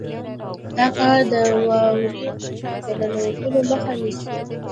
دا کار د واورې د ننوتلو مخه نیسي